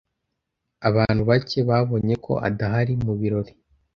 Abantu bake babonye ko adahari mu birori.